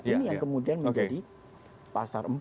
ini yang kemudian menjadi pasar